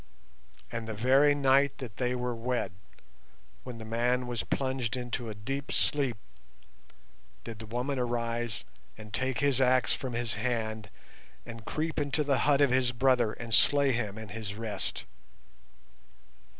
"And the very night that they were wed, when the man was plunged into a deep sleep, did the woman arise and take his axe from his hand and creep into the hut of his brother and slay him in his rest.